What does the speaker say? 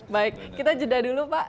baik kita jeda dulu pak